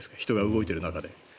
人が動いている中で。